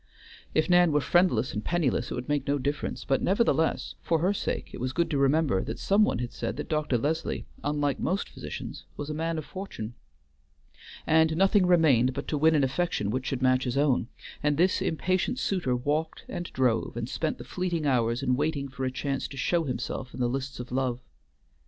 If Nan were friendless and penniless it would make no difference; but nevertheless, for her sake, it was good to remember that some one had said that Dr. Leslie, unlike most physicians, was a man of fortune. And nothing remained but to win an affection which should match his own, and this impatient suitor walked and drove and spent the fleeting hours in waiting for a chance to show himself in the lists of love.